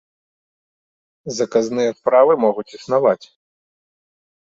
Заказныя справы могуць існаваць.